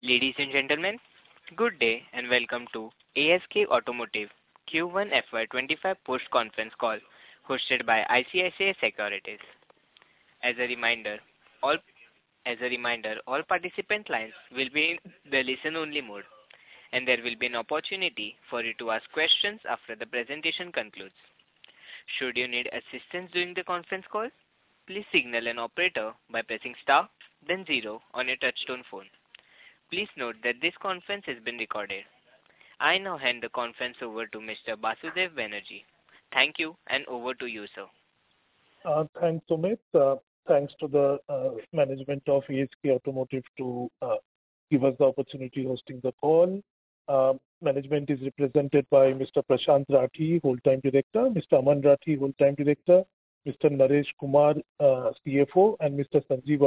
Ladies and gentlemen, good day and welcome to ASK Automotive Q1 FY25 post conference call hosted by ICICI Securities. As a reminder, all participant lines will be in the listen-only mode, and there will be an opportunity for you to ask questions after the presentation concludes. Should you need assistance during the conference call, please signal an operator by pressing star, then zero on your touch-tone phone. Please note that this conference has been recorded. I now hand the conference over to Mr. Basudeb Banerjee. Thank you, and over to you, sir. Thanks, Amit. Thanks to the management of ASK Automotive to give us the opportunity hosting the call. Management is represented by Mr. Prashant Rathee, Executive Director; Mr. Aman Rathee, Whole-Time Director; Mr. Naresh Kumar, CFO; and Mr. Sanjeev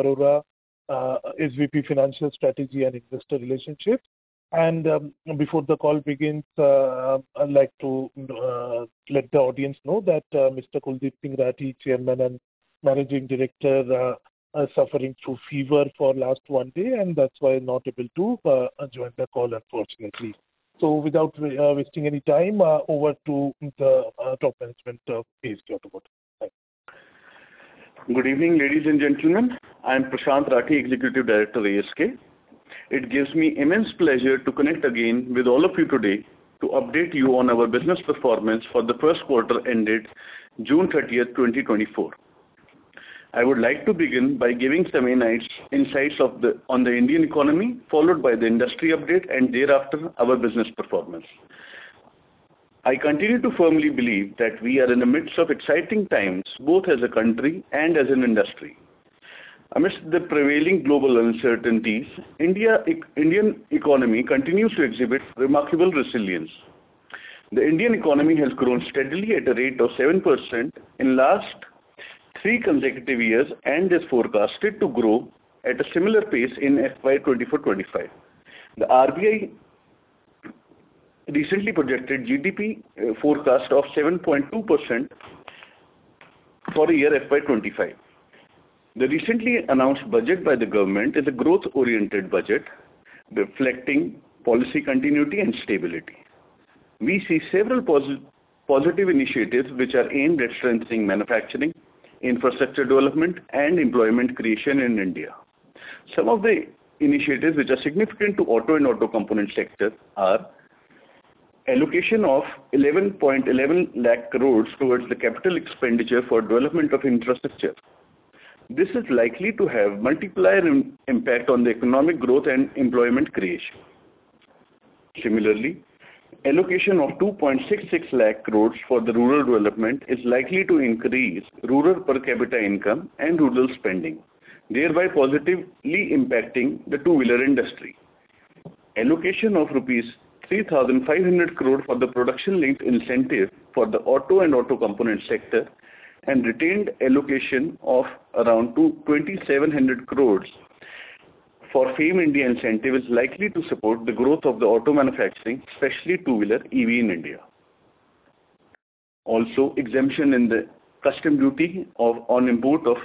Arora, SVP Financial Strategy and Investor Relations. Before the call begins, I'd like to let the audience know that Mr. Kuldip Singh Rathee, Chairman and Managing Director, is suffering from fever for the last one day, and that's why he's not able to join the call, unfortunately. Without wasting any time, over to the top management of ASK Automotive. Thanks. Good evening, ladies and gentlemen. I'm Prashant Rathee, Executive Director of ASK. It gives me immense pleasure to connect again with all of you today to update you on our business performance for the first quarter ended June 30, 2024. I would like to begin by giving summary on the Indian economy, followed by the industry update, and thereafter our business performance. I continue to firmly believe that we are in the midst of exciting times both as a country and as an industry. Amidst the prevailing global uncertainties, the Indian economy continues to exhibit remarkable resilience. The Indian economy has grown steadily at a rate of 7% in the last three consecutive years and is forecasted to grow at a similar pace in FY2024-25. The RBI recently projected a GDP forecast of 7.2% for the year FY2025. The recently announced budget by the government is a growth-oriented budget reflecting policy continuity and stability. We see several positive initiatives which are aimed at strengthening manufacturing, infrastructure development, and employment creation in India. Some of the initiatives which are significant to auto and auto component sectors are: allocation of 1,111,000 crore towards capital expenditure for development of infrastructure. This is likely to have a multiplier impact on economic growth and employment creation. Similarly, allocation of 266,000 crore for rural development is likely to increase rural per capita income and rural spending, thereby positively impacting the two-wheeler industry. Allocation of rupees 3,500 crore for the production-linked incentive for auto and auto component sectors, and retained allocation of around 2,700 crore for FAME India incentives is likely to support the growth of auto manufacturing, especially two-wheeler EVs in India. Also, exemption in the customs duty on import of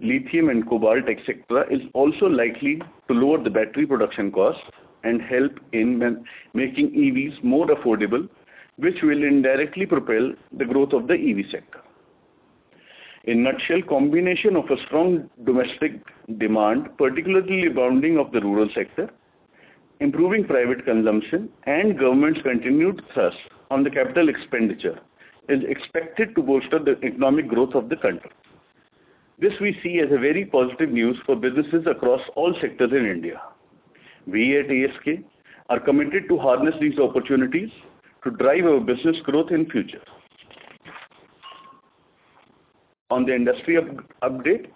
lithium and cobalt, etc., is also likely to lower the battery production costs and help in making EVs more affordable, which will indirectly propel the growth of the EV sector. In a nutshell, a combination of strong domestic demand, particularly abounding in the rural sector, improving private consumption, and government's continued thrust on capital expenditure is expected to bolster the economic growth of the country. This we see as very positive news for businesses across all sectors in India. We at ASK are committed to harness these opportunities to drive our business growth in the future. On the industry update,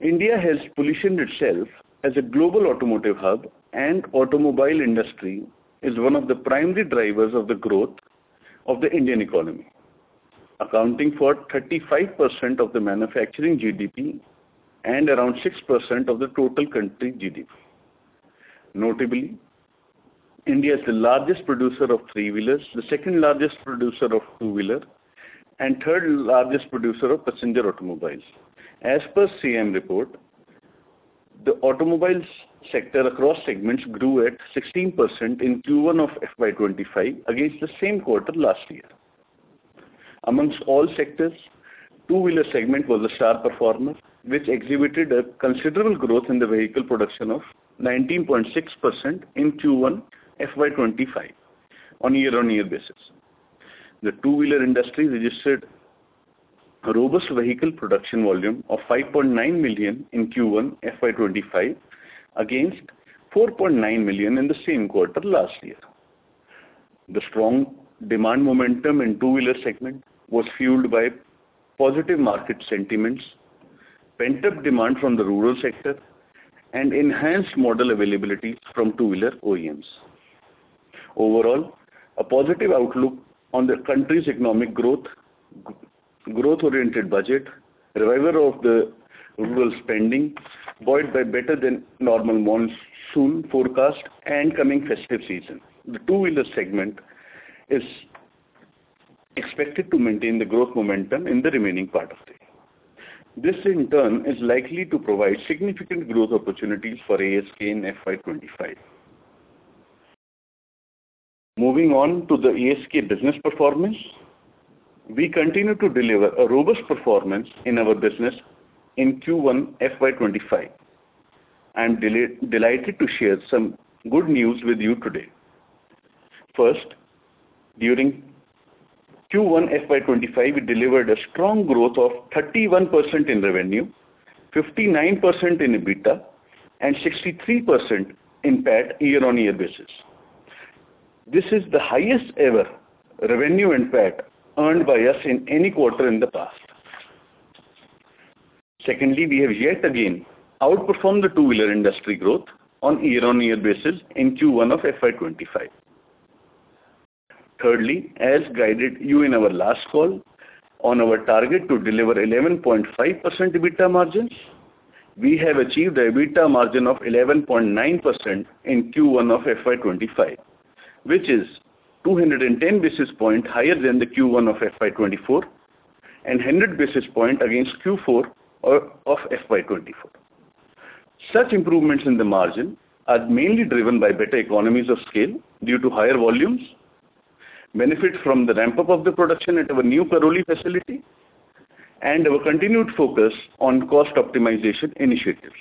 India has positioned itself as a global automotive hub, and the automobile industry is one of the primary drivers of the growth of the Indian economy, accounting for 35% of the manufacturing GDP and around 6% of the total country GDP. Notably, India is the largest producer of three-wheelers, the second-largest producer of two-wheelers, and the third-largest producer of passenger automobiles. As per the SIAM Report, the automobile sector across segments grew at 16% in Q1 of FY25 against the same quarter last year. Among all sectors, the two-wheeler segment was the star performer, which exhibited considerable growth in vehicle production of 19.6% in Q1 of FY25 on a year-on-year basis. The two-wheeler industry registered a robust vehicle production volume of 5.9 million in Q1 of FY25 against 4.9 million in the same quarter last year. The strong demand momentum in the two-wheeler segment was fueled by positive market sentiments, pent-up demand from the rural sector, and enhanced model availability from two-wheeler OEMs. Overall, a positive outlook on the country's economic growth, growth-oriented budget, and revival of rural spending is buoyed by better-than-normal monsoon forecasts and the coming festive season. The two-wheeler segment is expected to maintain the growth momentum in the remaining part of the year. This, in turn, is likely to provide significant growth opportunities for ASK in FY25. Moving on to ASK's business performance, we continue to deliver robust performance in our business in Q1 of FY25, and I'm delighted to share some good news with you today. First, during Q1 of FY25, we delivered a strong growth of 31% in revenue, 59% in EBITDA, and 63% in PAT on a year-on-year basis. This is the highest-ever revenue and PAT earned by us in any quarter in the past. Secondly, we have yet again outperformed the two-wheeler industry growth on a year-on-year basis in Q1 of FY25. Thirdly, as I guided you in our last call on our target to deliver 11.5% EBITDA margins, we have achieved an EBITDA margin of 11.9% in Q1 of FY25, which is 210 basis points higher than Q1 of FY24 and 100 basis points against Q4 of FY24. Such improvements in the margin are mainly driven by better economies of scale due to higher volumes, benefit from the ramp-up of production at our new Karoli facility, and our continued focus on cost optimization initiatives.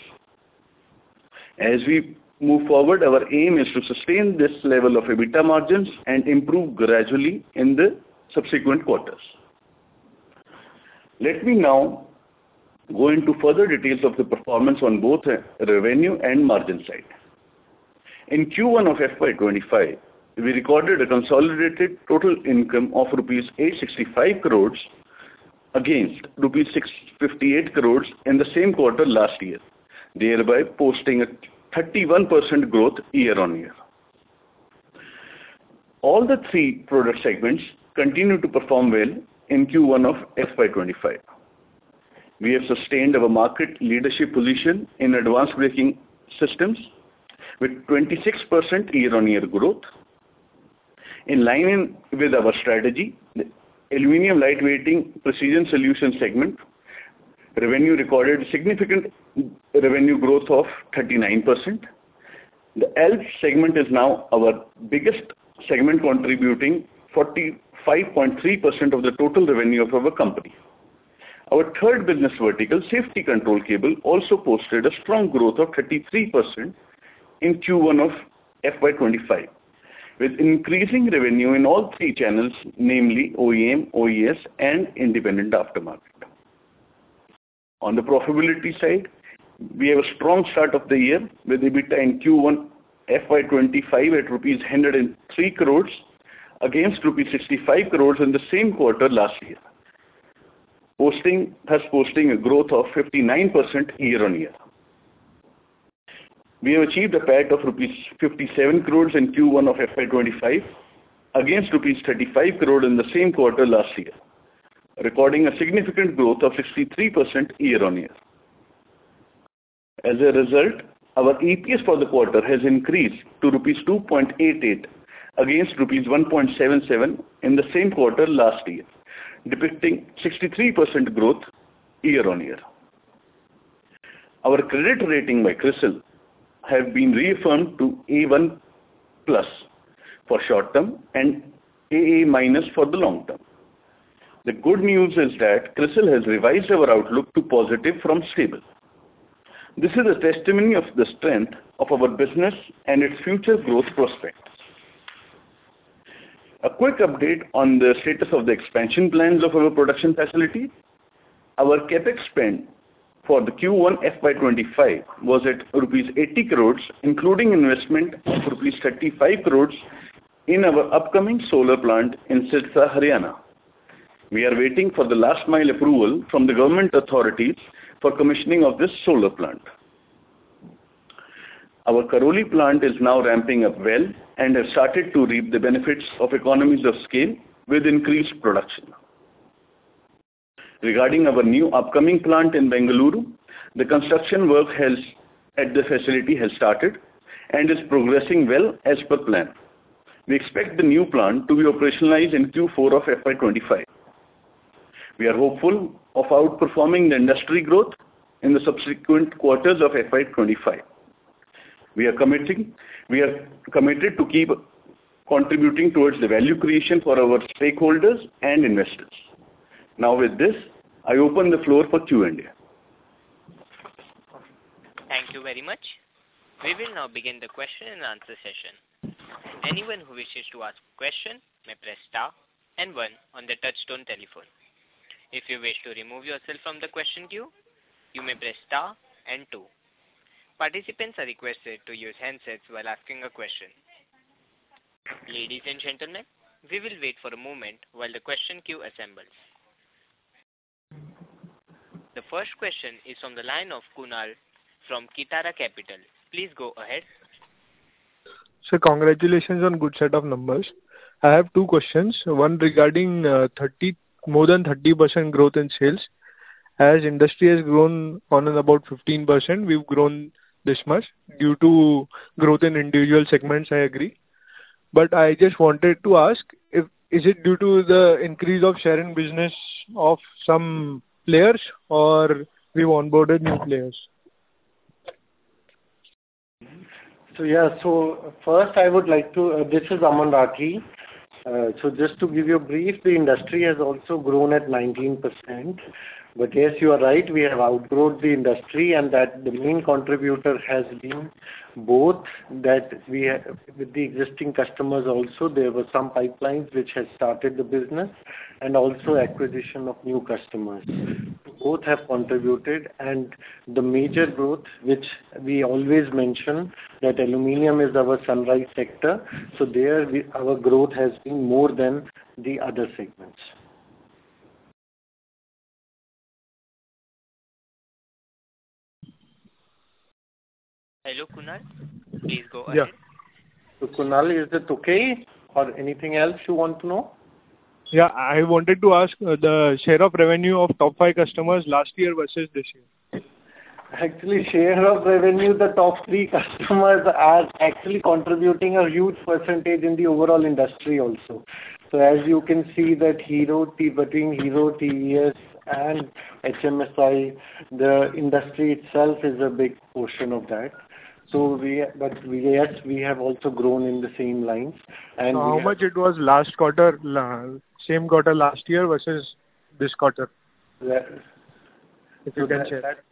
As we move forward, our aim is to sustain this level of EBITDA margins and improve gradually in the subsequent quarters. Let me now go into further details of the performance on both the revenue and margin side. In Q1 of FY25, we recorded a consolidated total income of rupees 865 crore against rupees 658 crore in the same quarter last year, thereby posting a 31% growth year-on-year. All the three product segments continue to perform well in Q1 of FY25. We have sustained our market leadership position in advanced braking systems with 26% year-on-year growth. In line with our strategy, the aluminum lightweighting precision solution segment recorded significant revenue growth of 39%. The ALPS segment is now our biggest segment, contributing 45.3% of the total revenue of our company. Our third business vertical, safety control cable, also posted a strong growth of 33% in Q1 of FY25 with increasing revenue in all three channels, namely OEM, OES, and independent aftermarket. On the profitability side, we have a strong start of the year with EBITDA in Q1 of FY25 at rupees 103 crores against rupees 65 crores in the same quarter last year, thus posting a growth of 59% year-on-year. We have achieved a PAT of rupees 57 crores in Q1 of FY25 against rupees 35 crores in the same quarter last year, recording a significant growth of 63% year-on-year. As a result, our EPS for the quarter has increased to rupees 2.88 against rupees 1.77 in the same quarter last year, depicting 63% growth year-on-year. Our credit rating by CRISIL has been reaffirmed to A1+ for short-term and AA- for the long-term. The good news is that CRISIL has revised our outlook to positive from stable. This is a testimony of the strength of our business and its future growth prospects. A quick update on the status of the expansion plans of our production facility: our CapEx spend for Q1 of FY25 was at rupees 80 crores, including investment of rupees 35 crores in our upcoming solar plant in Sirsa, Haryana. We are waiting for the last-mile approval from the government authorities for commissioning of this solar plant. Our Karoli plant is now ramping up well and has started to reap the benefits of economies of scale with increased production. Regarding our new upcoming plant in Bangalore, the construction work at the facility has started and is progressing well as per plan. We expect the new plant to be operationalized in Q4 of FY25. We are hopeful of outperforming the industry growth in the subsequent quarters of FY25. We are committed to keep contributing towards the value creation for our stakeholders and investors. Now, with this, I open the floor for Q&A. Thank you very much. We will now begin the question and answer session. Anyone who wishes to ask a question may press star and one on the touch-tone telephone. If you wish to remove yourself from the question queue, you may press star and two. Participants are requested to use headsets while asking a question. Ladies and gentlemen, we will wait for a moment while the question queue assembles. The first question is from the line of Kunal from Kitara Capital. Please go ahead. Sir, congratulations on a good set of numbers. I have two questions. One, regarding more than 30% growth in sales. As the industry has grown on about 15%, we've grown this much due to growth in individual segments, I agree. But I just wanted to ask, is it due to the increase of share in business of some players, or have we onboarded new players? So, yeah. So first, I would like to - this is Aman Rathee. So just to give you a brief, the industry has also grown at 19%. But yes, you are right. We have outgrown the industry, and the main contributor has been both with the existing customers also. There were some pipelines which have started the business and also acquisition of new customers. Both have contributed. And the major growth, which we always mentioned, is that aluminum is our sunrise sector. So there, our growth has been more than the other segments. Hello, Kunal. Please go ahead. Yeah. So, Kunal, is it okay? Or anything else you want to know? Yeah. I wanted to ask the share of revenue of the top five customers last year versus this year. Actually, the share of revenue, the top three customers are actually contributing a huge percentage in the overall industry also. So as you can see, between Hero, TVS and HMSI, the industry itself is a big portion of that. But yes, we have also grown in the same lines. And we have. How much was it last quarter, same quarter last year versus this quarter? If you can share.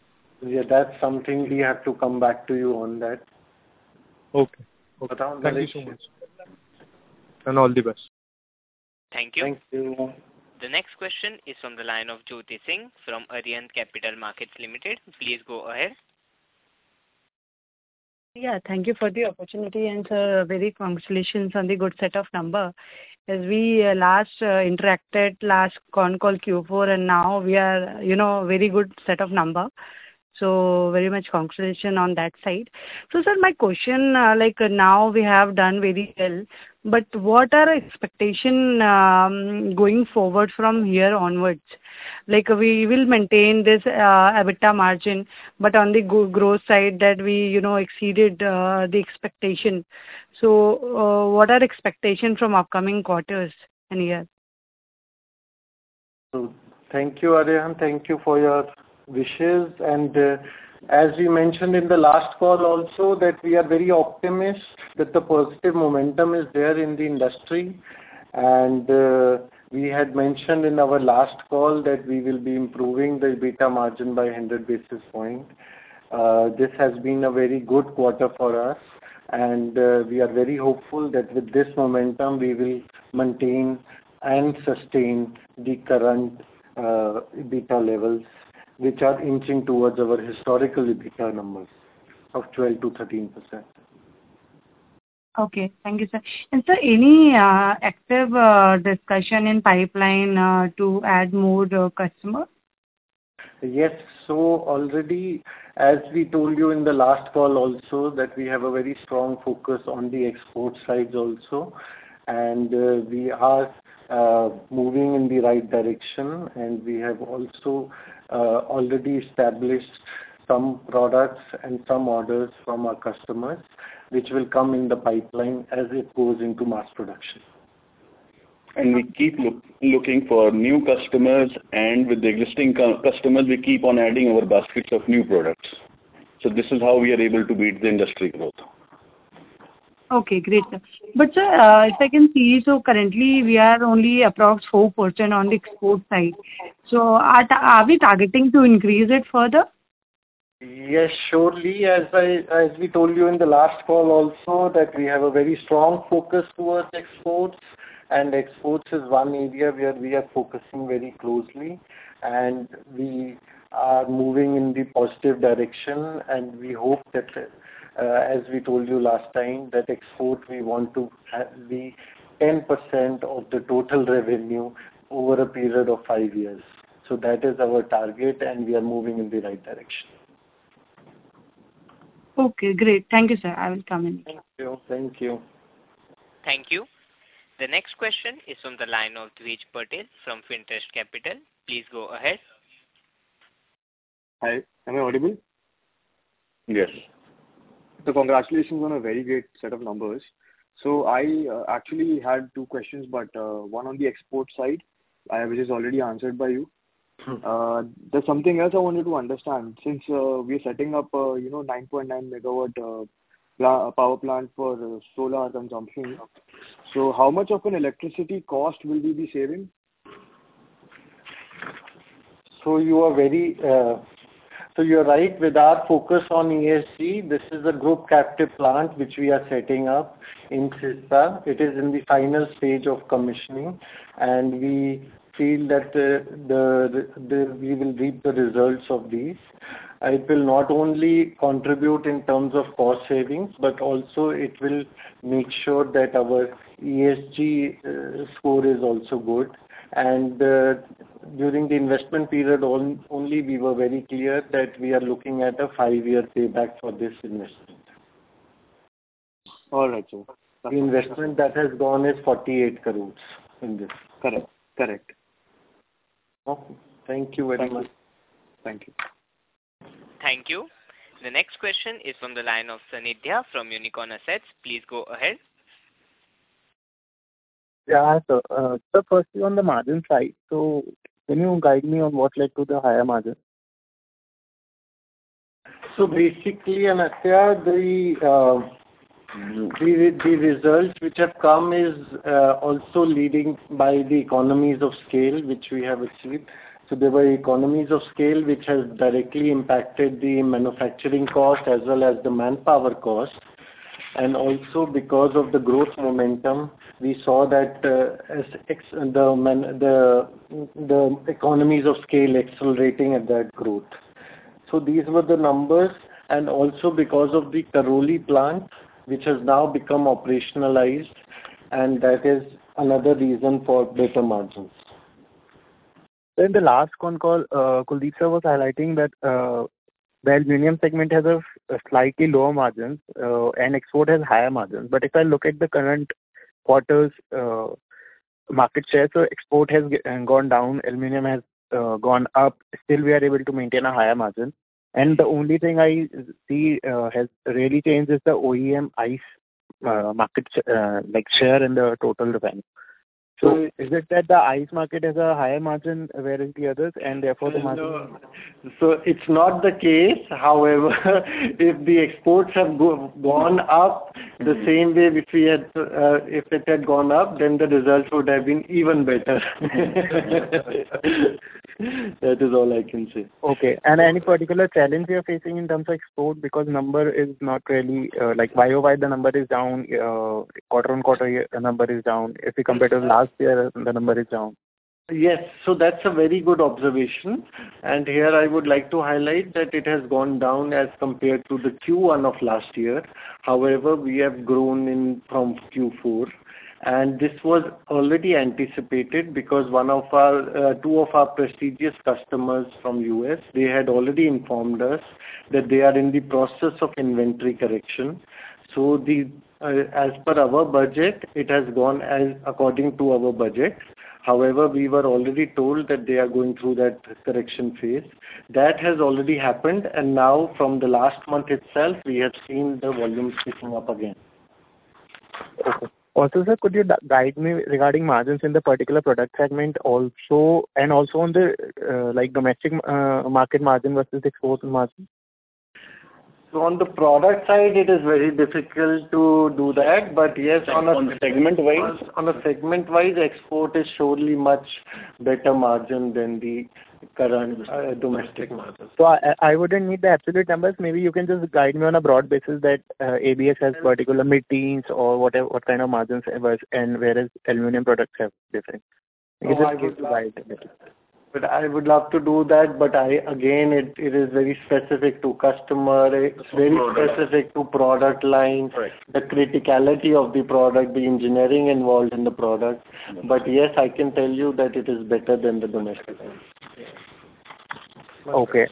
Yeah. That's something we have to come back to you on. Okay. Thank you so much. All the best. Thank you. Thank you. The next question is from the line of Jyoti Singh from Arihant Capital Markets Limited. Please go ahead. Yeah. Thank you for the opportunity and, sir, very congratulations on the good set of numbers. As we interacted last on-call Q4, and now we are a very good set of numbers. So very much congratulations on that side. So, sir, my question: now we have done very well, but what are the expectations going forward from here onwards? We will maintain this EBITDA margin, but on the growth side, that we exceeded the expectation. So what are the expectations for the upcoming quarters and year? Thank you, Arihant. Thank you for your wishes. As you mentioned in the last call also, we are very optimistic that the positive momentum is there in the industry. We had mentioned in our last call that we will be improving the EBITDA margin by 100 basis points. This has been a very good quarter for us, and we are very hopeful that with this momentum, we will maintain and sustain the current EBITDA levels, which are inching towards our historical EBITDA numbers of 12%-13%. Okay. Thank you, sir. And, sir, any active discussion in the pipeline to add more customers? Yes. So already, as we told you in the last call also, we have a very strong focus on the export sides also. And we are moving in the right direction, and we have also already established some products and some orders from our customers, which will come in the pipeline as it goes into mass production. We keep looking for new customers. With the existing customers, we keep on adding our baskets of new products. This is how we are able to beat the industry growth. Okay. Great, sir. But, sir, if I can see, so currently, we are only approximately 4% on the export side. So are we targeting to increase it further? Yes, surely. As we told you in the last call also, we have a very strong focus toward exports. Exports is one area where we are focusing very closely. We are moving in the positive direction. We hope that, as we told you last time, that exports, we want to be 10% of the total revenue over a period of five years. That is our target, and we are moving in the right direction. Okay. Great. Thank you, sir. I will come in. Thank you. Thank you. Thank you. The next question is from the line of Dhvij Patel from FinTrust Capital. Please go ahead. Hi. Am I audible? Yes. Congratulations on a very great set of numbers. I actually had two questions, but one on the export side, which is already answered by you. There's something else I wanted to understand. Since we are setting up a 9.9-MW power plant for solar consumption, so how much of an electricity cost will we be saving? So you are right. With our focus on ESG, this is a group-captive plant which we are setting up in Sirsa. It is in the final stage of commissioning, and we feel that we will reap the results of this. It will not only contribute in terms of cost savings, but also it will make sure that our ESG score is also good. And during the investment period, only we were very clear that we are looking at a five-year payback for this investment. All right, sir. The investment that has gone is 48 crore in this. Correct. Correct. Okay. Thank you very much. Thank you. Thank you. The next question is from the line of Sanidhya from Unicorn Asset Management. Please go ahead. Yeah. So, sir, firstly, on the margin side, can you guide me on what led to the higher margin? So basically, Sanidhya, the results which have come are also leading by the economies of scale which we have achieved. So there were economies of scale which have directly impacted the manufacturing cost as well as the manpower cost. And also because of the growth momentum, we saw the economies of scale accelerating at that growth. So these were the numbers. And also because of the Karoli plant, which has now become operationalized, and that is another reason for better margins. Sir, in the last con-call, Kuldip sir was highlighting that the aluminum segment has a slightly lower margin, and export has higher margins. But if I look at the current quarter's market share, so export has gone down, aluminum has gone up. Still, we are able to maintain a higher margin. And the only thing I see has really changed is the OEM ICE market share in the total revenue. So is it that the ICE market has a higher margin whereas the others, and therefore the margin? It's not the case. However, if the exports have gone up the same way if it had gone up, then the results would have been even better. That is all I can say. Okay. Any particular challenge you are facing in terms of export? Because the number is not really, by year-wise, the number is down. Quarter-on-quarter, the number is down. If you compare to last year, the number is down. Yes. So that's a very good observation. And here, I would like to highlight that it has gone down as compared to the Q1 of last year. However, we have grown from Q4. And this was already anticipated because two of our prestigious customers from the U.S., they had already informed us that they are in the process of inventory correction. So as per our budget, it has gone according to our budget. However, we were already told that they are going through that correction phase. That has already happened. And now, from the last month itself, we have seen the volumes picking up again. Okay. Also, sir, could you guide me regarding margins in the particular product segment and also on the domestic market margin versus export margin? On the product side, it is very difficult to do that. Yes, on the segment-wise. On the segment-wise, export is surely a much better margin than the current domestic margins. So I wouldn't need the absolute numbers. Maybe you can just guide me on a broad basis that ABS has particular margins or what kind of margins and whereas aluminum products have different. I guess it's good to guide a little. I would love to do that. But again, it is very specific to customers, very specific to product lines, the criticality of the product, the engineering involved in the product. But yes, I can tell you that it is better than the domestic one. Okay.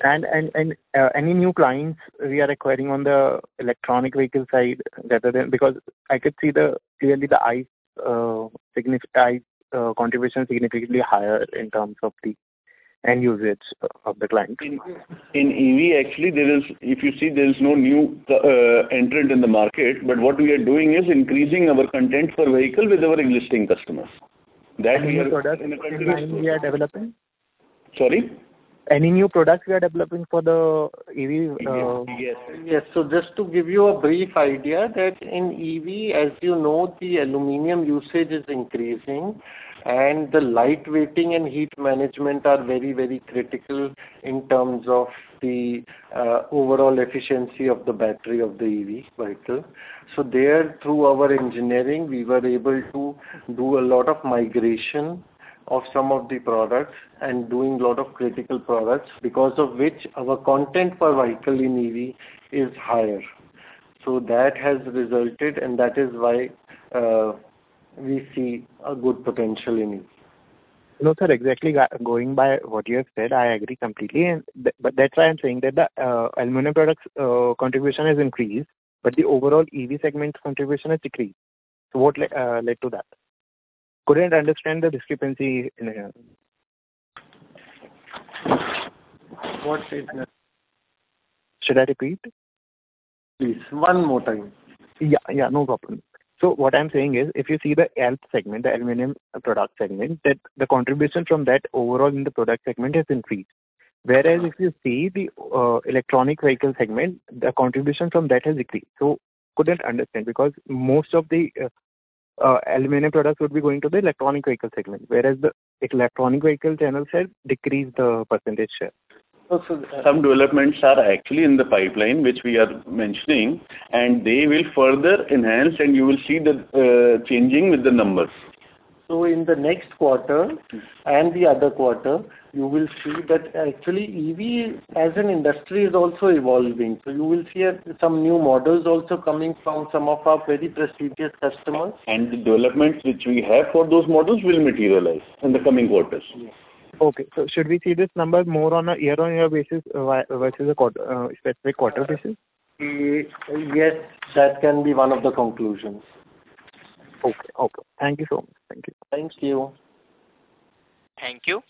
Any new clients we are acquiring on the electric vehicle side rather than? Because I could see clearly the ICE contribution is significantly higher in terms of the end usage of the clients. In EV, actually, if you see, there is no new entrant in the market. But what we are doing is increasing our content for vehicles with our existing customers. Any new products we are developing? Sorry? Any new products we are developing for the EV? Yes. Yes. So just to give you a brief idea, in EV, as you know, the aluminum usage is increasing. And the lightweighting and heat management are very, very critical in terms of the overall efficiency of the battery of the EV vehicle. So there, through our engineering, we were able to do a lot of migration of some of the products and do a lot of critical products because of which our content per vehicle in EV is higher. So that has resulted, and that is why we see a good potential in EV. No, sir. Exactly. Going by what you have said, I agree completely. But that's why I'm saying that the aluminum products contribution has increased, but the overall EV segment contribution has decreased. So what led to that? Couldn't understand the discrepancy in. What is that? Should I repeat? Please, one more time. Yeah. Yeah. No problem. So what I'm saying is, if you see the ALPS segment, the aluminum product segment, the contribution from that overall in the product segment has increased. Whereas if you see the electric vehicle segment, the contribution from that has decreased. So I couldn't understand because most of the aluminum products would be going to the electric vehicle segment, whereas the electric vehicle channel share decreased the percentage share. Some developments are actually in the pipeline, which we are mentioning. They will further enhance, and you will see the changing with the numbers. In the next quarter and the other quarter, you will see that actually, EV as an industry is also evolving. You will see some new models also coming from some of our very prestigious customers. The developments which we have for those models will materialize in the coming quarters. Okay. So should we see this number more on a year-on-year basis versus a specific quarter basis? Yes. That can be one of the conclusions. Okay. Okay. Thank you so much. Thank you. Thank you. Thank you.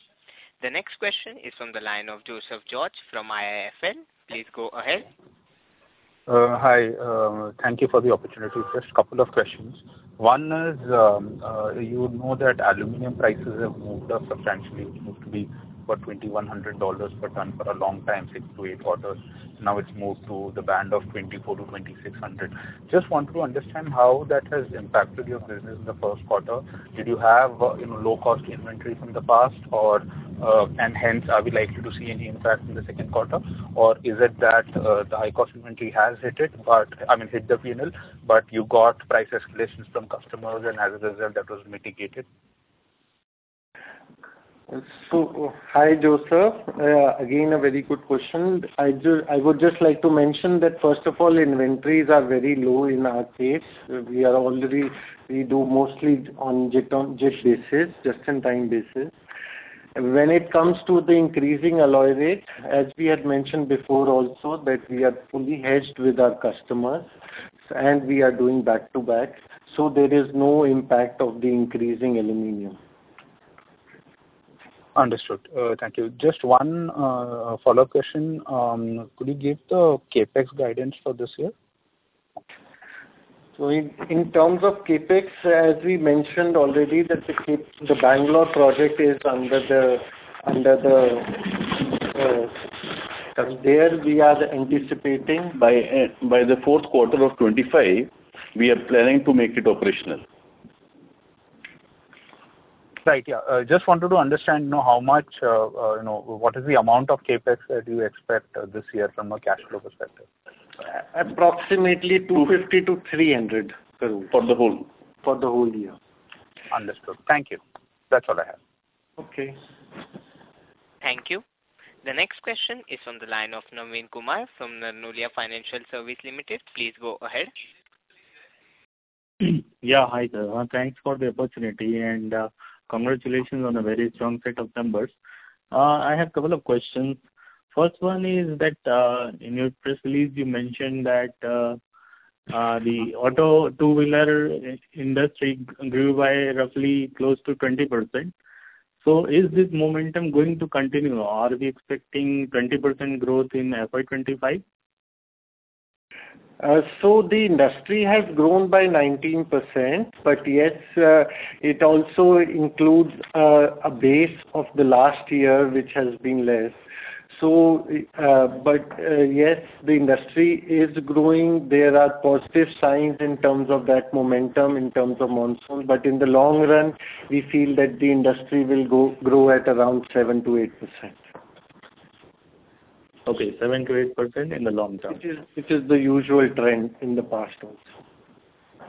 The next question is from the line of Joseph George from IIFL. Please go ahead. Hi. Thank you for the opportunity. Just a couple of questions. One is, you know that aluminum prices have moved up substantially. It used to be about $2,100 per ton for a long time, six to eight quarters. Now, it's moved to the band of 2,400-2,600. Just wanted to understand how that has impacted your business in the first quarter. Did you have low-cost inventory from the past, and hence, are we likely to see any impact in the second quarter? Or is it that the high-cost inventory has hit the P&L, but you got price escalations from customers, and as a result, that was mitigated? So hi, Joseph. Again, a very good question. I would just like to mention that, first of all, inventories are very low in our case. We do mostly on JIT basis, just-in-time basis. When it comes to the increasing alloy rate, as we had mentioned before also, that we are fully hedged with our customers, and we are doing back-to-back. So there is no impact of the increasing aluminum. Understood. Thank you. Just one follow-up question. Could you give the CapEx guidance for this year? In terms of CapEx, as we mentioned already, that the Bangalore project is underway there, we are anticipating. By the fourth quarter of 2025, we are planning to make it operational. Right. Yeah. Just wanted to understand how much what is the amount of CapEx that you expect this year from a cash flow perspective? Approximately 250-300 crores. For the whole? For the whole year. Understood. Thank you. That's all I have. Okay. Thank you. The next question is from the line of Naveen Kumar from Narnolia Financial Services Limited. Please go ahead. Yeah. Hi, sir. Thanks for the opportunity, and congratulations on a very strong set of numbers. I have a couple of questions. First one is that in your press release, you mentioned that the auto two-wheeler industry grew by roughly close to 20%. So is this momentum going to continue, or are we expecting 20% growth in FY25? So the industry has grown by 19%, but yes, it also includes a base of the last year, which has been less. But yes, the industry is growing. There are positive signs in terms of that momentum, in terms of monsoon. But in the long run, we feel that the industry will grow at around 7%-8%. Okay. 7%-8% in the long term? Which is the usual trend in the past also.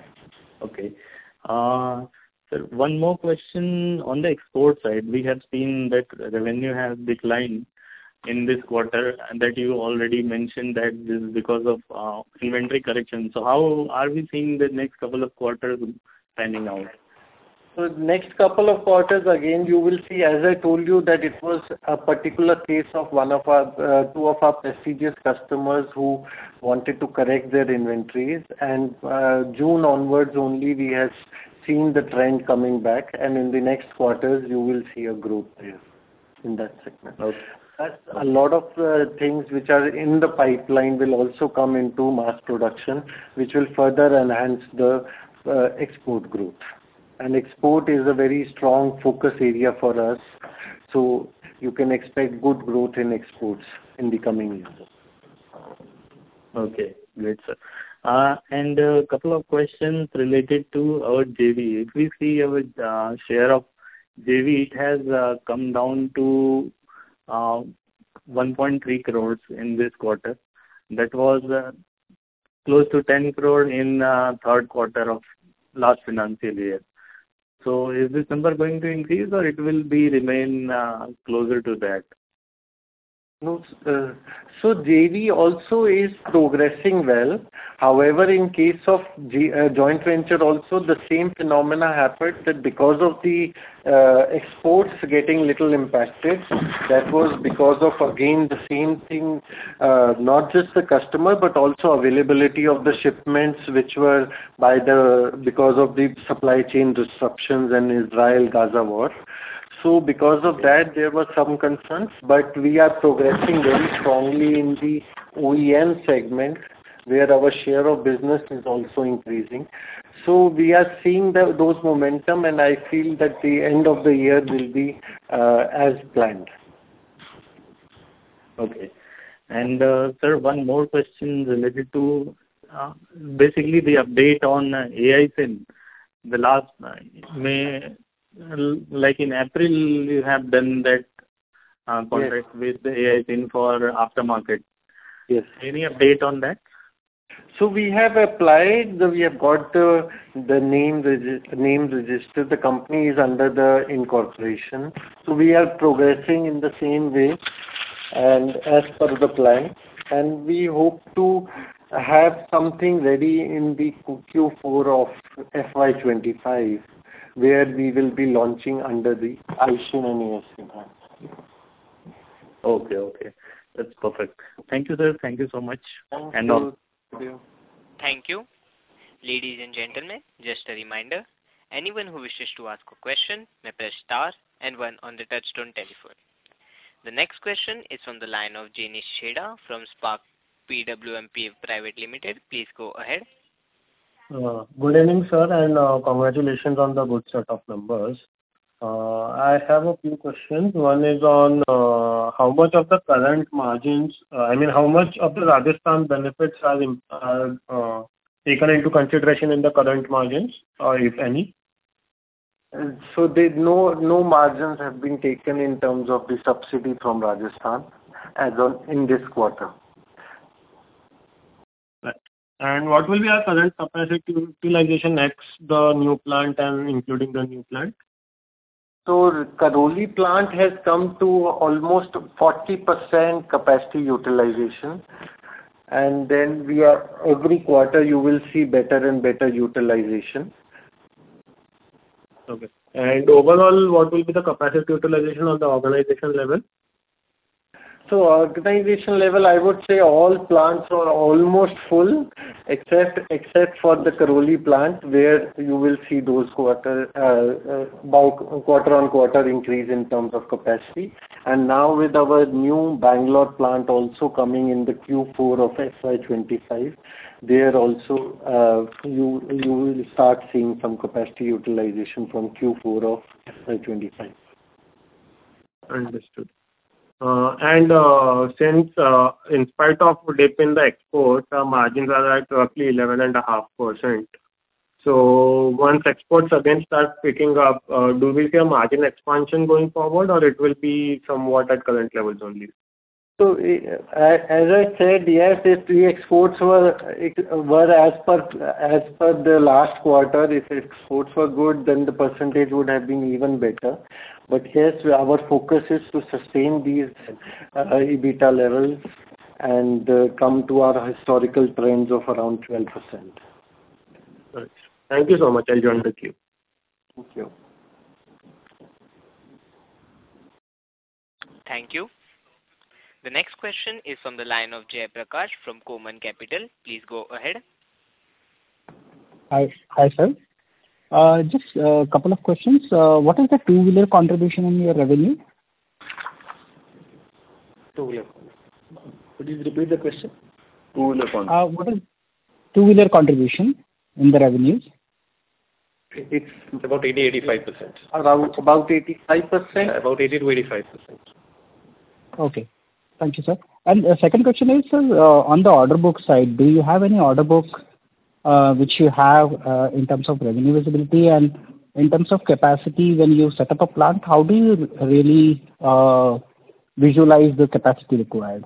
Okay. Sir, one more question. On the export side, we have seen that revenue has declined in this quarter, and that you already mentioned that this is because of inventory corrections. So how are we seeing the next couple of quarters panning out? So the next couple of quarters, again, you will see, as I told you, that it was a particular case of two of our prestigious customers who wanted to correct their inventories. June onward only, we have seen the trend coming back. In the next quarters, you will see a growth there in that segment. Plus, a lot of things which are in the pipeline will also come into mass production, which will further enhance the export growth. Export is a very strong focus area for us. You can expect good growth in exports in the coming years. Okay. Great, sir. And a couple of questions related to our JV. If we see our share of JV, it has come down to 1.3 crore in this quarter. That was close to 10 crore in the third quarter of last financial year. So is this number going to increase, or it will remain closer to that? No. So JV also is progressing well. However, in case of joint venture also, the same phenomena happened that because of the exports getting little impacted, that was because of, again, the same thing, not just the customer, but also availability of the shipments which were because of the supply chain disruptions and Israel-Gaza war. So because of that, there were some concerns. But we are progressing very strongly in the OEM segment where our share of business is also increasing. So we are seeing those momentum, and I feel that the end of the year will be as planned. Okay. And sir, one more question related to basically the update on Aisin. In April, you have done that contract with the Aisin for aftermarket. Any update on that? We have applied. We have got the name registered. The company is under the incorporation. We are progressing in the same way as per the plan. We hope to have something ready in the Q4 of FY25 where we will be launching under the ASK and Aisin brands. Okay. Okay. That's perfect. Thank you, sir. Thank you so much. Thank you Thank you. Ladies and gentlemen, just a reminder, anyone who wishes to ask a question, may press star and one on the touch-tone telephone. The next question is from the line of Jainis Chheda from Spark PWM Private Limited. Please go ahead. Good evening, sir, and congratulations on the good set of numbers. I have a few questions. One is on how much of the current margins I mean, how much of the Rajasthan benefits are taken into consideration in the current margins, if any? So no margins have been taken in terms of the subsidy from Rajasthan in this quarter. Right. And what will be our current capacity utilization next, the new plant and including the new plant? So Karoli plant has come to almost 40% capacity utilization. And then every quarter, you will see better and better utilization. Okay. And overall, what will be the capacity utilization on the organization level? So organization level, I would say all plants are almost full except for the Karoli plant where you will see those quarter-on-quarter increase in terms of capacity. Now, with our new Bangalore plant also coming in the Q4 of FY25, there also, you will start seeing some capacity utilization from Q4 of FY25. Understood. In spite of dip in the exports, our margins are at roughly 11.5%. So once exports again start picking up, do we see a margin expansion going forward, or it will be somewhat at current levels only? So as I said, yes, if the exports were as per the last quarter, if exports were good, then the percentage would have been even better. But yes, our focus is to sustain these EBITDA levels and come to our historical trends of around 12%. All right. Thank you so much. I'll join the queue. Thank you. Thank you. The next question is from the line of Jayprakash from Korman Capital. Please go ahead. Hi, sir. Just a couple of questions. What is the two-wheeler contribution in your revenue? Two-wheeler contribution. Could you repeat the question? Two-wheeler contribution. What is two-wheeler contribution in the revenues? It's about 80%-85%. About 85%? About 80%-85%. Okay. Thank you, sir. The second question is, sir, on the order book side, do you have any order book which you have in terms of revenue visibility? And in terms of capacity, when you set up a plant, how do you really visualize the capacity required?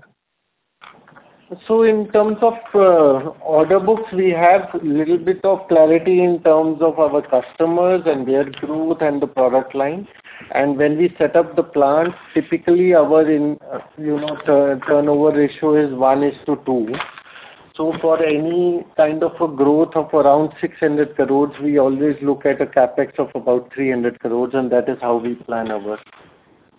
In terms of order books, we have a little bit of clarity in terms of our customers and their growth and the product line. When we set up the plant, typically, our turnover ratio is 1:2. For any kind of growth of around 600 crores, we always look at a CapEx of about 300 crores, and that is how we plan our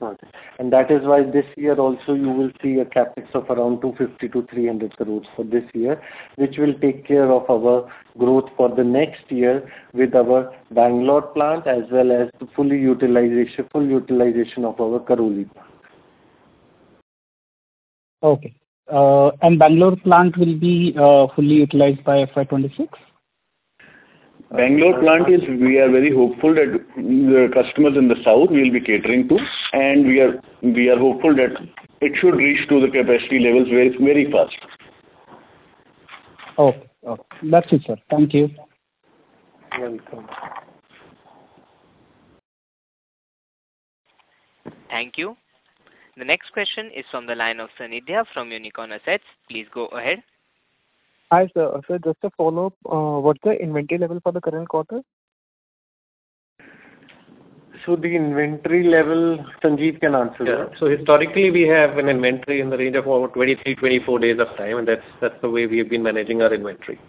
project. That is why this year also, you will see a CapEx of around 250-300 crores for this year, which will take care of our growth for the next year with our Bangalore plant as well as full utilization of our Karoli plant. Okay. And Bangalore plant will be fully utilized by FY26? Bangalore plant, we are very hopeful that the customers in the south will be catering to. We are hopeful that it should reach the capacity levels very fast. Okay. Okay. That's it, sir. Thank you. You're welcome. Thank you. The next question is from the line of Sanidhya from Unicorn Asset Management. Please go ahead. Hi, sir. Sir, just a follow-up. What's the inventory level for the current quarter? So the inventory level, Sanjeev can answer. Yeah. So historically, we have an inventory in the range of about 23-24 days of time, and that's the way we have been managing our inventory.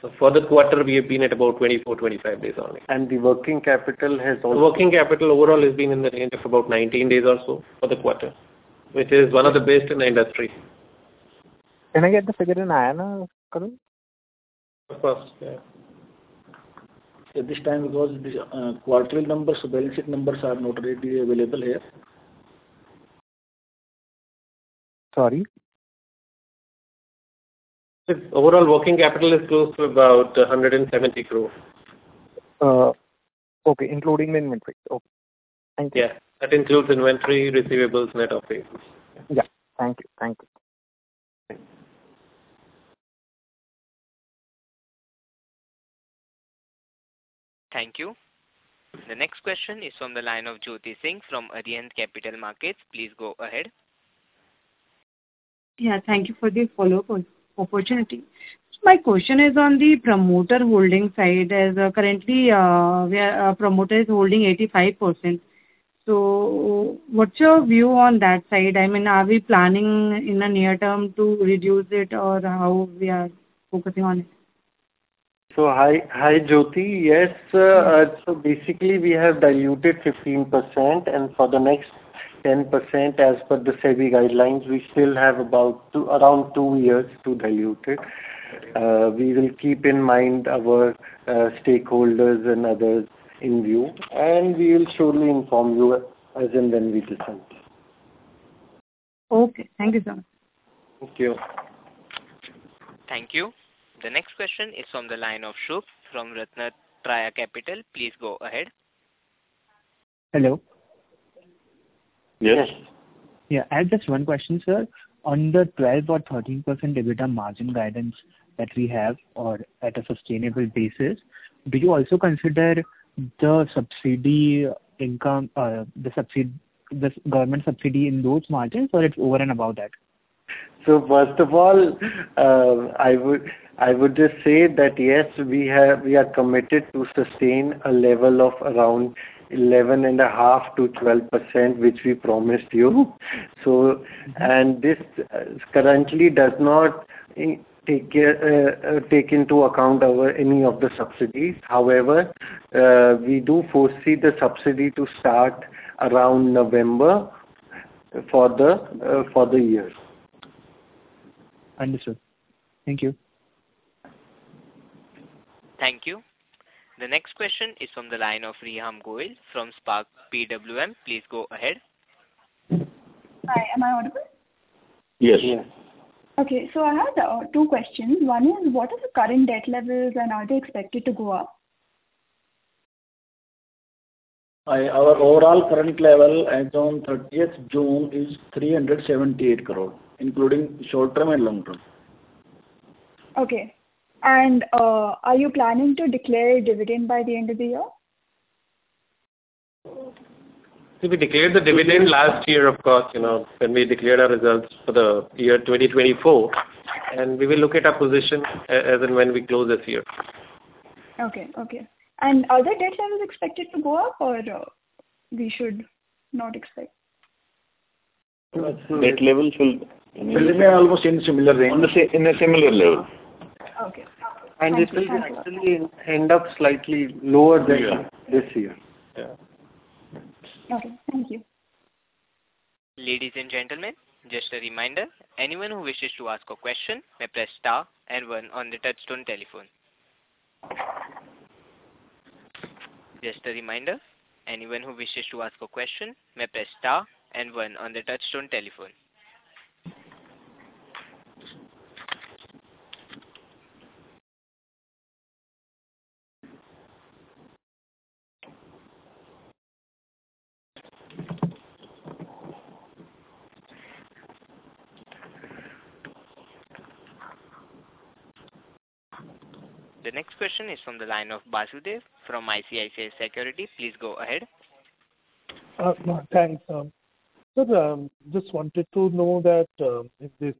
So for the quarter, we have been at about 24-25 days only. The working capital has also. Working capital overall has been in the range of about 19 days or so for the quarter, which is one of the best in the industry. Can I get the figure in INR, Karoli? Of course. Yeah. At this time, because quarterly numbers, balance sheet numbers are not readily available here. Sorry? Overall, working capital is close to about 170 crore. Okay. Including the inventory. Okay. Thank you. Yeah. That includes inventory, receivables, net operations. Yeah. Thank you. Thank you. Thank you. The next question is from the line of Jyoti Singh from Arihant Capital Markets. Please go ahead. Yeah. Thank you for the follow-up opportunity. My question is on the promoter holding side. Currently, promoter is holding 85%. So what's your view on that side? I mean, are we planning in the near term to reduce it, or how we are focusing on it? So hi, Jyoti. Yes. So basically, we have diluted 15%. And for the next 10%, as per the SEBI guidelines, we still have around two years to dilute it. We will keep in mind our stakeholders and others in view, and we will surely inform you as and when we decide. Okay. Thank you, sir. Thank you. Thank you. The next question is from the line of Shubh from RatnaTraya Capital. Please go ahead. Hello? Yes. Yeah. I have just one question, sir. On the 12% or 13% EBITDA margin guidance that we have at a sustainable basis, do you also consider the government subsidy in those margins, or it's over and about that? First of all, I would just say that yes, we are committed to sustain a level of around 11.5%-12%, which we promised you. This currently does not take into account any of the subsidies. However, we do foresee the subsidy to start around November for the year. Understood. Thank you. Thank you. The next question is from the line of Riham Goel from Spark PWM. Please go ahead. Hi. Am I audible? Yes. Yes. Okay. So I have two questions. One is, what are the current debt levels, and are they expected to go up? Our overall current level as on 30th June is 378 crore, including short-term and long-term. Okay. Are you planning to declare dividend by the end of the year? We declared the dividend last year, of course, when we declared our results for the year 2024. We will look at our position as and when we close this year. Okay. Okay. Are the debt levels expected to go up, or we should not expect? Debt levels will. They remain almost in similar range. In a similar level. Okay. They still actually end up slightly lower than this year. Yeah. Okay. Thank you. Ladies and gentlemen, just a reminder, anyone who wishes to ask a question, may press star and one on the touch-tone telephone. Just a reminder, anyone who wishes to ask a question, may press star and one on the touch-tone telephone. The next question is from the line of Basudeb from ICICI Securities. Please go ahead. Thanks, sir. Sir, just wanted to know that in this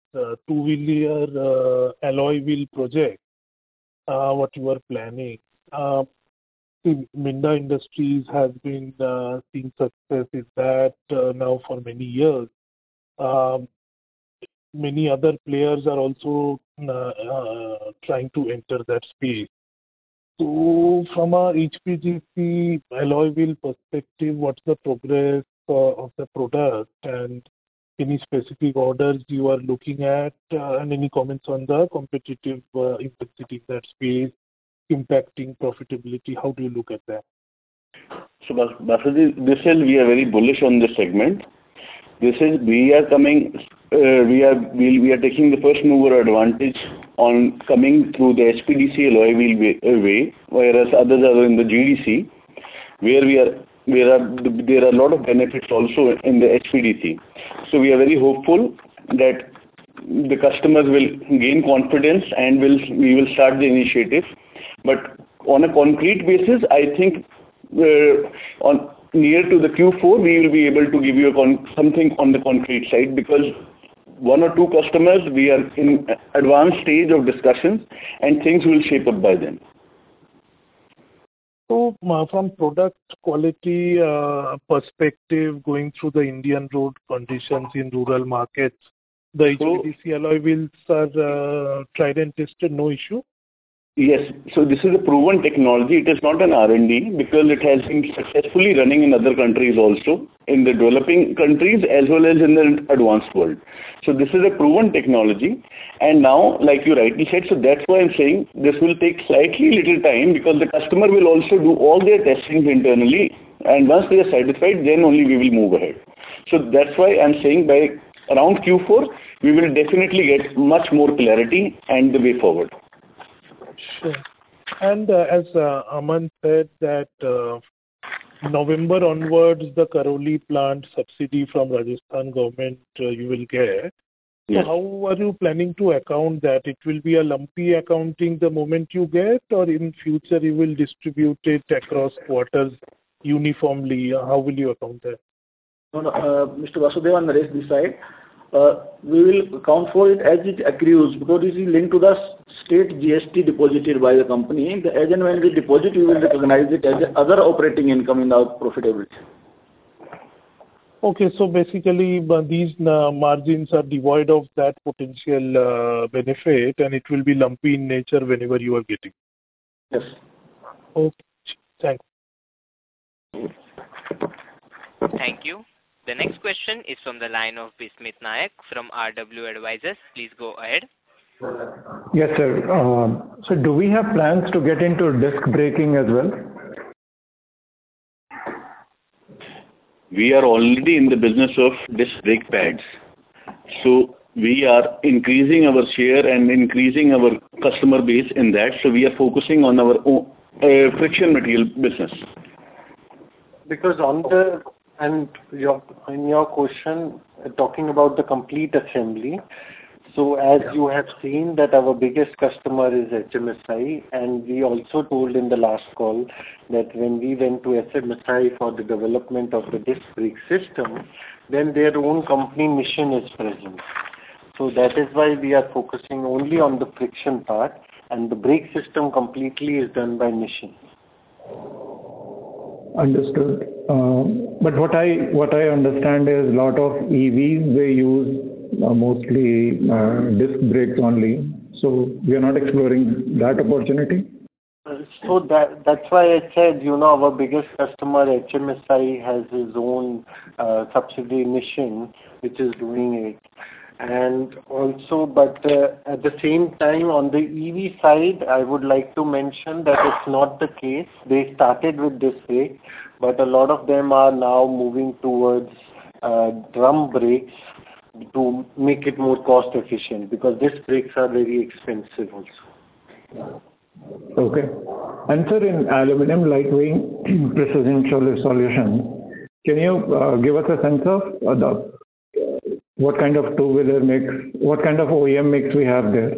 two-wheeler alloy wheel project, what you are planning. Minda Industries has been seeing success in that now for many years. Many other players are also trying to enter that space. So from our HPDC alloy wheel perspective, what's the progress of the product? And any specific orders you are looking at and any comments on the competitive intensity in that space impacting profitability, how do you look at that? Basudeb, this year, we are very bullish on this segment. We are taking the first mover advantage on coming through the HPDC alloy wheel way, whereas others are in the GDC where there are a lot of benefits also in the HPDC. We are very hopeful that the customers will gain confidence, and we will start the initiative. On a concrete basis, I think near to the Q4, we will be able to give you something on the concrete side because one or two customers, we are in advanced stage of discussion, and things will shape up by then. From product quality perspective, going through the Indian road conditions in rural markets, the HPDC alloy wheels are tried and tested, no issue? Yes. So this is a proven technology. It is not an R&D because it has been successfully running in other countries also, in the developing countries as well as in the advanced world. So this is a proven technology. And now, like you rightly said, so that's why I'm saying this will take slightly little time because the customer will also do all their testings internally. And once they are satisfied, then only we will move ahead. So that's why I'm saying by around Q4, we will definitely get much more clarity and the way forward. Sure. And as Aman said, that November onward, the Karoli plant subsidy from Rajasthan government, you will get. So how are you planning to account that? It will be a lumpy accounting the moment you get, or in future, you will distribute it across quarters uniformly? How will you account that? No, no. Mr. Basudeb and Naresh decide. We will account for it as it accrues because it is linked to the state GST deposited by the company. As and when we deposit, we will recognize it as another operating income in our profitability. Okay. So basically, these margins are devoid of that potential benefit, and it will be lumpy in nature whenever you are getting it? Yes. Okay. Thank you. Thank you. The next question is from the line of Bismith Nayak from RW Advisors. Please go ahead. Yes, sir. So do we have plans to get into disc braking as well? We are already in the business of disc brake pads. So we are increasing our share and increasing our customer base in that. So we are focusing on our own friction material business. Because in your question, talking about the complete assembly, so as you have seen that our biggest customer is HMSI, and we also told in the last call that when we went to HMSI for the development of the disc brake system, then their own company Nissin is present. So that is why we are focusing only on the friction part, and the brake system completely is done by Nissin. Understood. But what I understand is a lot of EVs, they use mostly disc brakes only. So we are not exploring that opportunity? So that's why I said our biggest customer, HMSI, has its own subsidiary Nissin, which is doing it. But at the same time, on the EV side, I would like to mention that it's not the case. They started with disc brakes, but a lot of them are now moving towards drum brakes to make it more cost-efficient because disc brakes are very expensive also. Okay. And sir, in Aluminum Lightweighting Precision Solutions, can you give us a sense of what kind of two-wheeler mix, what kind of OEM mix we have there?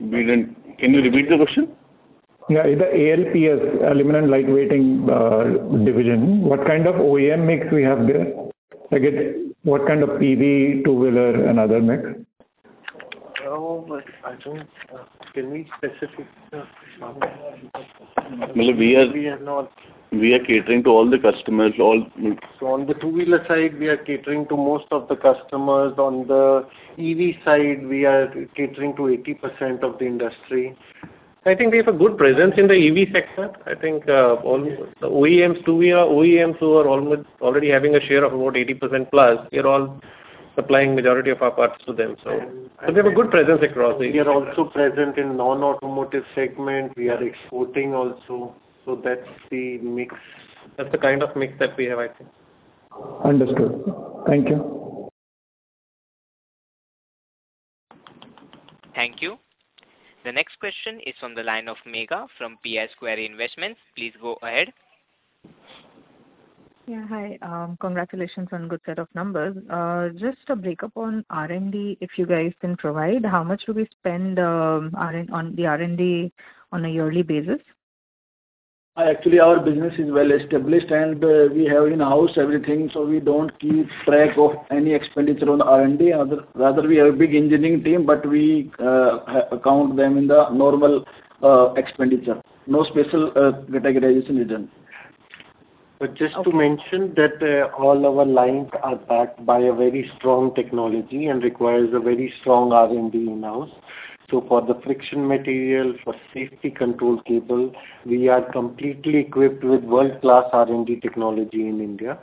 Can you repeat the question? Yeah. In the ALPS, Aluminum Lightweighting Division, what kind of OEM mix we have there? I get what kind of PV, two-wheeler, and other mix? I don't know. Can we specify? We are catering to all the customers. On the two-wheeler side, we are catering to most of the customers. On the EV side, we are catering to 80% of the industry. I think we have a good presence in the EV sector. I think the two-wheeler OEMs who are already having a share of about 80%+, they're all supplying the majority of our parts to them. We have a good presence across the. We are also present in the non-automotive segment. We are exporting also. That's the mix. That's the kind of mix that we have, I think. Understood. Thank you. Thank you. The next question is from the line of Megha from Pi Square Investments. Please go ahead. Yeah. Hi. Congratulations on a good set of numbers. Just a breakup on R&D, if you guys can provide, how much do we spend on the R&D on a yearly basis? Actually, our business is well established, and we have in-house everything. So we don't keep track of any expenditure on the R&D. Rather, we have a big engineering team, but we account them in the normal expenditure. No special categorization is done. Just to mention that all our lines are backed by a very strong technology and requires a very strong R&D in-house. For the friction material, for safety control cable, we are completely equipped with world-class R&D technology in India.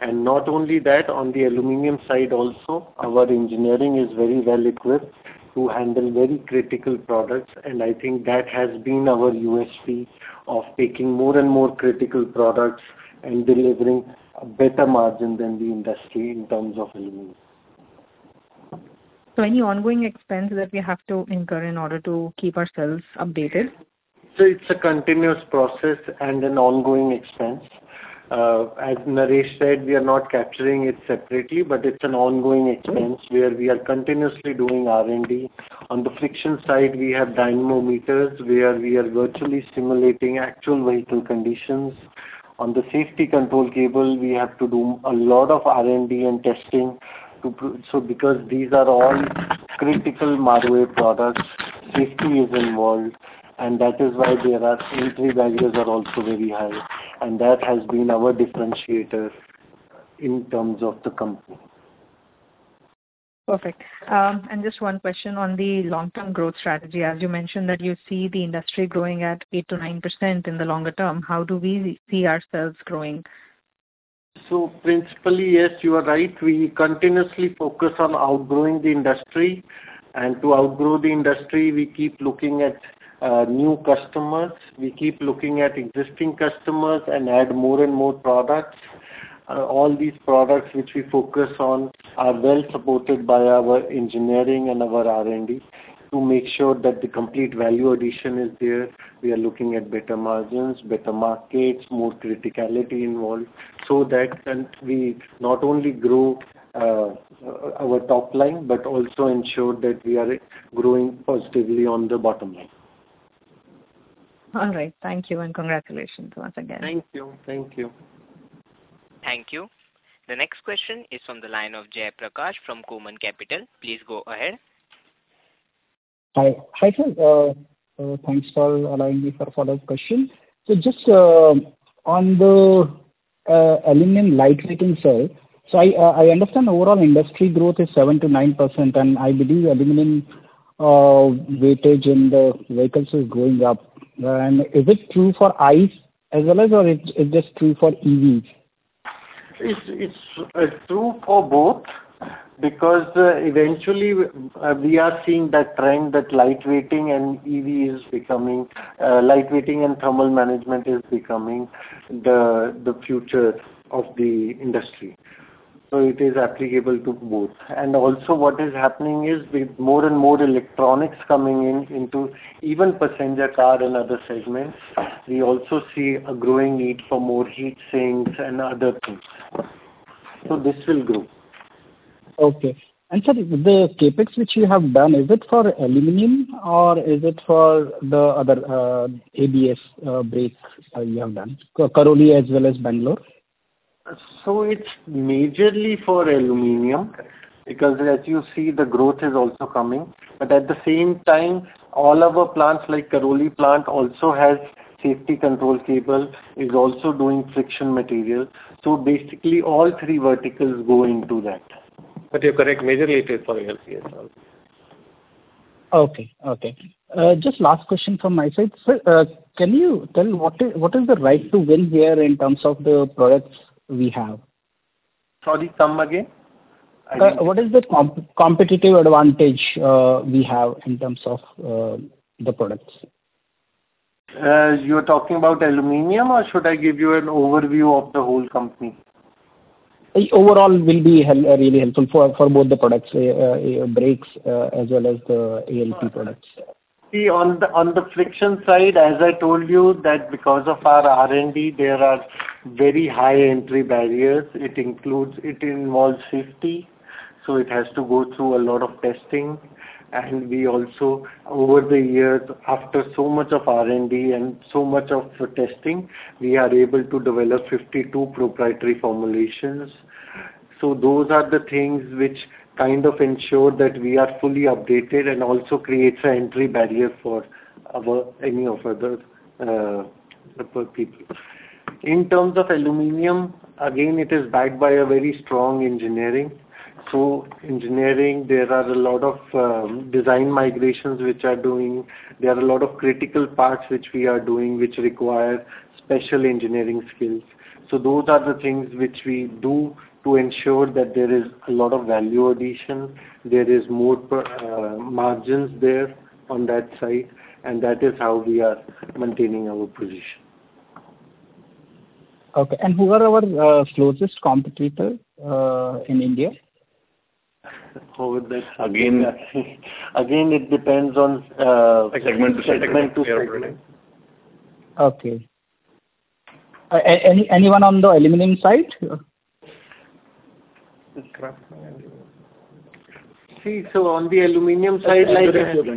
Not only that, on the aluminum side also, our engineering is very well equipped to handle very critical products. I think that has been our USP of taking more and more critical products and delivering a better margin than the industry in terms of aluminum. Any ongoing expense that we have to incur in order to keep ourselves updated? It's a continuous process and an ongoing expense. As Naresh said, we are not capturing it separately, but it's an ongoing expense where we are continuously doing R&D. On the friction side, we have dynamometers where we are virtually simulating actual vehicle conditions. On the safety control cable, we have to do a lot of R&D and testing. So because these are all critical marquee products, safety is involved, and that is why their entry barriers are also very high. That has been our differentiator in terms of the company. Perfect. Just one question on the long-term growth strategy. As you mentioned that you see the industry growing at 8%-9% in the longer term, how do we see ourselves growing? Principally, yes, you are right. We continuously focus on outgrowing the industry. To outgrow the industry, we keep looking at new customers. We keep looking at existing customers and add more and more products. All these products, which we focus on, are well supported by our engineering and our R&D to make sure that the complete value addition is there. We are looking at better margins, better markets, more criticality involved so that we not only grow our top line but also ensure that we are growing positively on the bottom line. All right. Thank you and congratulations once again. Thank you. Thank you. Thank you. The next question is from the line of Jayprakash from Korman Capital. Please go ahead. Hi, sir. Thanks for allowing me for a follow-up question. So just on the aluminum lightweighting cell, so I understand overall industry growth is 7%-9%, and I believe aluminum weightage in the vehicles is going up. Is it true for ice as well, or is this true for EVs? It's true for both because eventually, we are seeing that trend that lightweighting and EVs becoming lightweighting and thermal management is becoming the future of the industry. So it is applicable to both. And also, what is happening is with more and more electronics coming into even passenger car and other segments, we also see a growing need for more heatsinks and other things. So this will grow. Okay. And sir, the Capex which you have done, is it for aluminum, or is it for the other ABS brakes you have done, Karoli as well as Bangalore? It's majorly for aluminum because, as you see, the growth is also coming. At the same time, all our plants like Karoli plant also has safety control cable, is also doing friction material. Basically, all three verticals go into that. You're correct. Majorly it is for ALPS also. Okay. Okay. Just last question from my side. Sir, can you tell what is the right to win here in terms of the products we have? Sorry, come again? What is the competitive advantage we have in terms of the products? You're talking about aluminum, or should I give you an overview of the whole company? Overall will be really helpful for both the products, brakes as well as the ALP products. See, on the friction side, as I told you, that because of our R&D, there are very high entry barriers. It involves safety. So it has to go through a lot of testing. And we also, over the years, after so much of R&D and so much of testing, we are able to develop 52 proprietary formulations. So those are the things which kind of ensure that we are fully updated and also creates an entry barrier for any other people. In terms of aluminum, again, it is backed by a very strong engineering. So engineering, there are a lot of design migrations which we are doing. There are a lot of critical parts which we are doing which require special engineering skills. So those are the things which we do to ensure that there is a lot of value addition. There is more margins there on that side, and that is how we are maintaining our position. Okay. Who are our closest competitor in India? Again, it depends on. Segment to segment. Segment to segment. Okay. Anyone on the aluminum side? See, so on the aluminum side,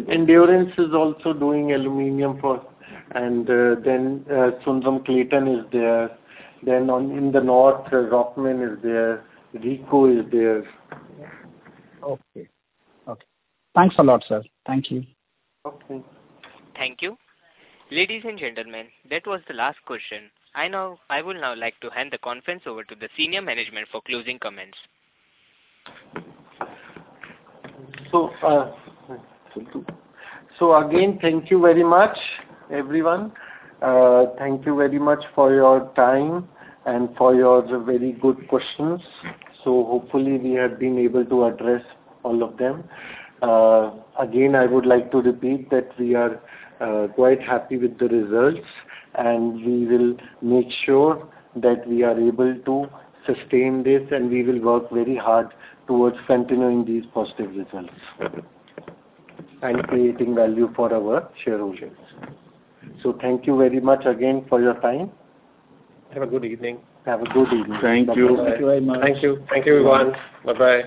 Endurance is also doing aluminum for and then Sundram Clayton is there. Then in the north, Rockman is there. Rico is there. Okay. Okay. Thanks a lot, sir. Thank you. Okay. Thank you. Ladies and gentlemen, that was the last question. I would now like to hand the conference over to the senior management for closing comments. Again, thank you very much, everyone. Thank you very much for your time and for your very good questions. Hopefully, we have been able to address all of them. Again, I would like to repeat that we are quite happy with the results, and we will make sure that we are able to sustain this, and we will work very hard towards continuing these positive results and creating value for our shareholders. Thank you very much again for your time. Have a good evening. Have a good evening. Thank you. Thank you very much. Thank you. Thank you, everyone. Bye-bye.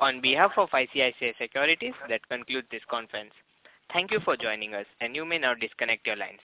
On behalf of ICICI Securities, that concludes this conference. Thank you for joining us, and you may now disconnect your lines.